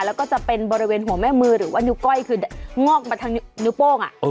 แล้วก็จะเป็นบริเวณหัวแม่มือหรือว่านิ้วก้อยคืองอกมาทางนิ้วโป้ง